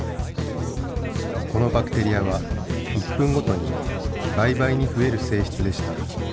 このバクテリアは１分ごとに倍々にふえる性質でした。